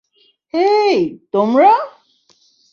হেই, তোমরা!